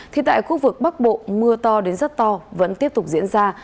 thì tại khu vực bắc bộ mưa to đến rất to vẫn tiếp tục diễn ra